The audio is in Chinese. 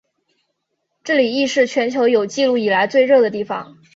这里亦是全球有纪录以来最热的地方。